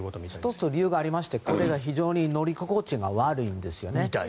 １つ理由がありましてこれが非常に乗り心地が悪いんですよね。